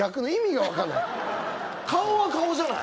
顔は顔じゃない。